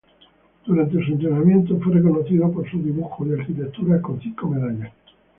Durante su entrenamiento, fue reconocido por sus dibujos y arquitecturas con cinco medallas.